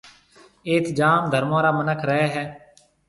ايٿ جام ڌرمون را منک رَي ھيََََ